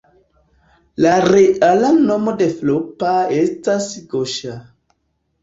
La reala nomo de Floppa estas Goŝa.